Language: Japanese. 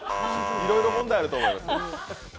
いろいろ問題があると思います。